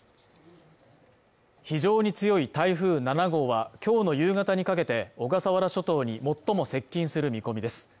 非常に強い台風７号はきょうの夕方にかけて小笠原諸島に最も接近する見込みです